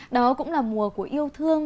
đó cũng là mùa của yêu thương